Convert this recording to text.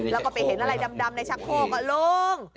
แล้วก็ไปเห็นอะไรดำในชักโคกก็โล่ง